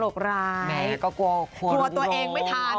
แม้ก็กลัวตัวเองไม่ทัน